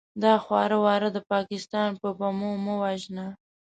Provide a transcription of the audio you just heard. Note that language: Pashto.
دا خواره واره د پاکستان په بمو مه وژنه!